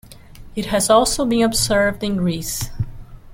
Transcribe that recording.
It has also been observed in Greece.